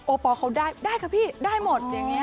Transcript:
โอปอล์เขาได้ได้ครับพี่ได้หมด